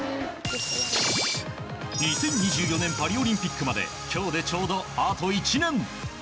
２０２４年パリオリンピックまで今日でちょうど、あと１年。